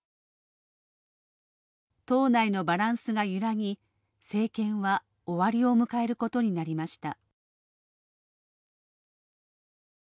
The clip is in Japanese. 党内のバランスが揺らぎ政権は終わりを迎えることになりました。